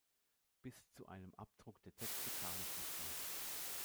Bis zu einem Abdruck der Texte kam es nicht mehr.